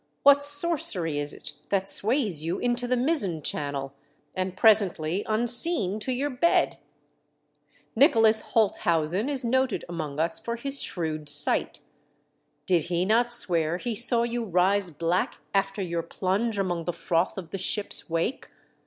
What sorcery is it that sways you into the mizzen channel and presently, unseen, to your bed .'* Nicholas Houltshau sen is noted among us for his shrewd sight. Did not he swear he saw you rise black after your plunge among the froth of the ship's wake